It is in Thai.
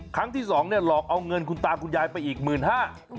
ครั้งที่๒เนี่ยหลอกเอาเงินคุณตาคุณยายไปอีก๑๕๐๐๐บาท